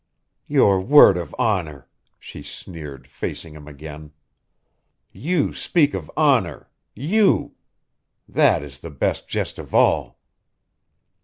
"Your word of honor!" she sneered, facing him again. "You speak of honor you? That is the best jest of all!"